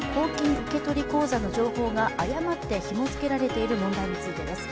受け取り口座の情報が誤ってひも付けられている問題についてです。